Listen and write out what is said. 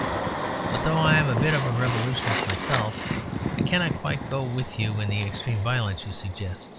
But though I am a bit of a revolutionist myself, I cannot quite go with you in the extreme violence you suggest.